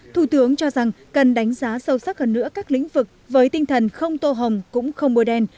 thủ tướng cho rằng cần đánh giá sâu sắc hơn nữa các lĩnh vực với tinh thần không tô hồng cũng không mùa đen